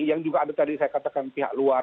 yang juga ada tadi saya katakan pihak luar